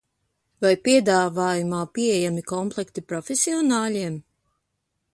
Vai piedāvājumā pieejami komplekti profesionāļiem?